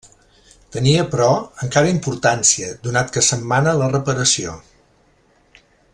Tenia però, encara importància, donat que se'n mana la reparació.